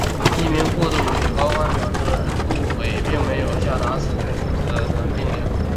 一名过渡委高官表示过渡委并没有下达处死卡扎菲的命令。